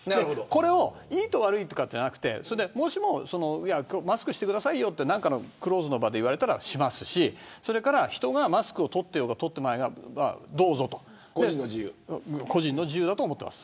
これをいいか悪いかではなくてもしマスクしてくださいとクローズの場で言われたらしますし人がマスクを取っていようが取っていまいがどうぞと個人の自由だと思っています。